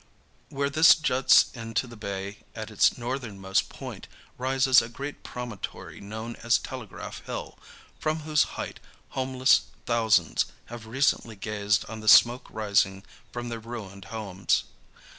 Where this juts into the bay at its northernmost point rises a great promontory known as Telegraph Hill, from whose height homeless thousands have recently gazed on the smoke rising from their ruined homes.